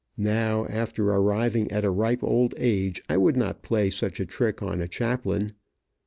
Now, after arriving at a ripe old age, I would not play such a trick on a chaplain.